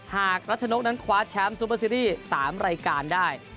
หากรัชนกนั้นคว้าแชมป์ซูเปอร์ซีรีส์๓รายการได้